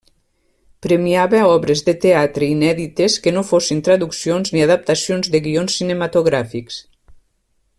Premiava obres de teatre inèdites que no fossin traduccions ni adaptacions de guions cinematogràfics.